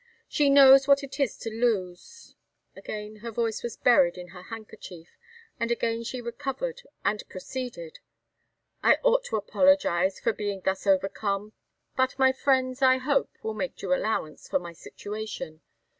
She knows what it is to lose " Again her voice was buried in her handkerchief, and again she recovered and proceeded. "I ought to apologise for being thus overcome; but my friends, I hope, will make due allowance for my situation.